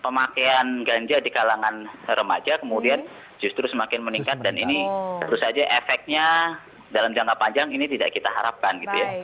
pemakaian ganja di kalangan remaja kemudian justru semakin meningkat dan ini tentu saja efeknya dalam jangka panjang ini tidak kita harapkan gitu ya